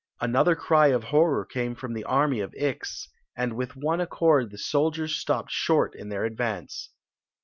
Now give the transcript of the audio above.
Another cry of horror came from the army of Ix, and with one accord the soldiars !^|:^)ed short in their advance.